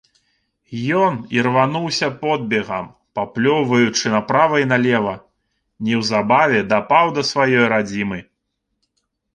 Ён ірвануўся подбегам, паплёўваючы направа і налева, неўзабаве дапаў да сваёй радзімы.